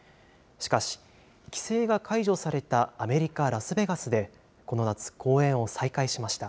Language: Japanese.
しかし、規制が解除されたアメリカ・ラスベガスで、この夏、公演を再開しました。